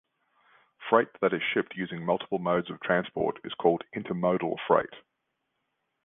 Freight that is shipped using multiple modes of transport is called intermodal freight.